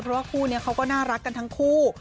เพราะว่าคู่นี้เขาก็น่ารักกันทั้งคู่